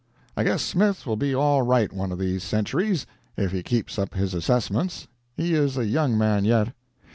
I guess Smith will be all right one of these centuries, if he keeps up his assessments—he is a young man yet.